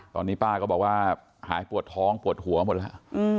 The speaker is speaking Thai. ตอนนี้ป้าก็บอกว่าหายปวดท้องปวดหัวหมดแล้ว